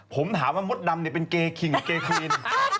ผมถามว่ามดดำเป็นเกยร์คิงหรือเกยร์ควีน